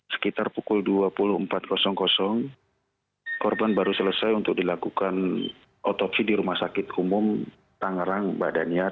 sekitar pukul dua puluh empat korban baru selesai untuk dilakukan otopsi di rumah sakit umum tangerang mbak daniar